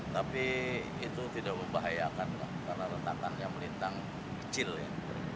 tapi itu tidak membahayakan pak karena retakan yang melintang kecil ya